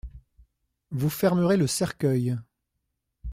Vous fermerez le cercueil.